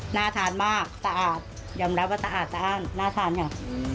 หน้าทานมากตะอาดยอมรับว่าตะอาดตะอ้านหน้าทานอย่างนี้